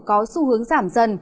có xu hướng giảm dần